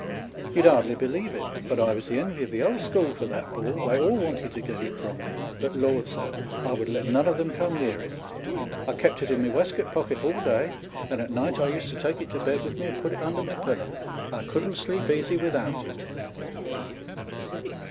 You'd hardly believe it, but I was the envy of the whole 100 On Londoners and Country People. school for that ball. They all wanted to get it from me, but lord, sir ! I would let none of them come near it. I kept it in my waistcoat pocket all day, and at night I used to take it to bed with me and put it under my pillow. I couldn't sleep easy without it."